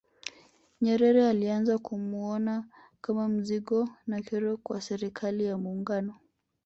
Nyerere alianza kumuona kama mzigo na kero kwa Serikali ya Muungano